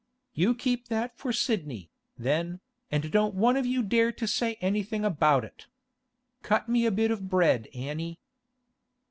'You keep that for Sidney, then, and don't one of you dare to say anything about it. Cut me a bit of bread, Annie.